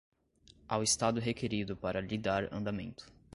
ao Estado requerido para lhe dar andamento.